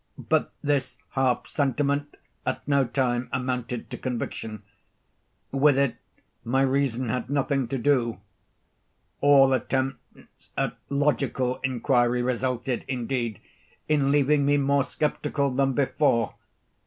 But this half sentiment at no time amounted to conviction. With it my reason had nothing to do. All attempts at logical inquiry resulted, indeed, in leaving me more sceptical than before.